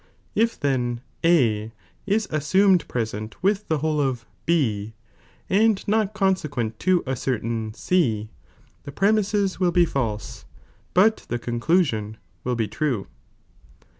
If then A is assumed present with the whole of B, and not conse ■ Ei* I (IS) l'^^' ^* certain C, the premises will be false, but the conclusion will be true.